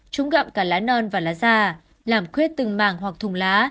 chúng gặm cả lá non và lá da làm khuét từng màng hoặc thùng lá